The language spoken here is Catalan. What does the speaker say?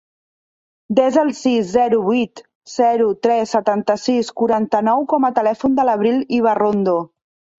Desa el sis, zero, vuit, zero, tres, setanta-sis, quaranta-nou com a telèfon de l'Avril Ibarrondo.